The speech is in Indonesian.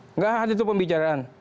tidak ada itu pembicaraan